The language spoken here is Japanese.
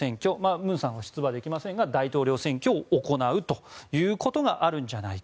文さんは出馬できませんが大統領選挙を行うということがあるんじゃないか。